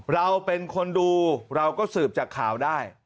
เราเป็นคนดูเราก็สืบจากข่าวได้